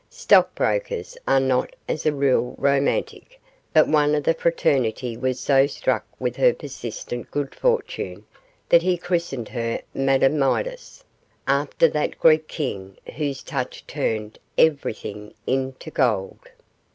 Stockbrokers are not, as a rule, romantic, but one of the fraternity was so struck with her persistent good fortune that he christened her Madame Midas, after that Greek King whose touch turned everything into gold.